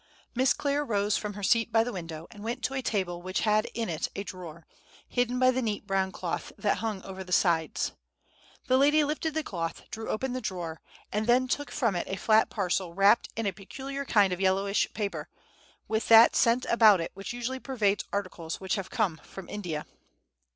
Miss Clare rose from her seat by the window, and went to a table which had in it a drawer, hidden by the neat brown cloth that hung over the sides. The lady lifted the cloth, drew open the drawer, and then took from it a flat parcel wrapped in a peculiar kind of yellowish paper, with that scent about it which usually pervades articles which have come from India.